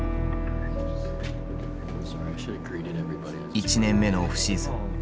１年目のオフシーズン。